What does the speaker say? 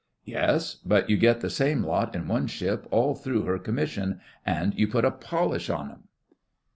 'Yes; but you get the same lot in one ship all through her commission, and you put a polish on 'em.